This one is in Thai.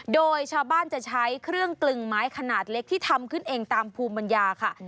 โดยชาวบ้านจะใช้เครื่องกลึงไม้ขนาดเล็กที่ทำขึ้นเองตามภูมิปัญญาค่ะ